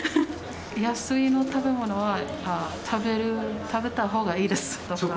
安い食べ物は食べたほうがいいです。